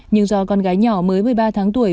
nhưng do con gái nhỏ mới một mươi ba tháng tuổi